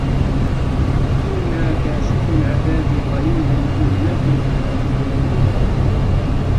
إِنّا كاشِفُو العَذابِ قَليلًا إِنَّكُم عائِدونَ